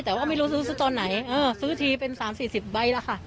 แต่ว่าไม่รู้ซื้อซื้อตอนไหนเออซื้อทีเป็นสามสี่สิบใบละค่ะ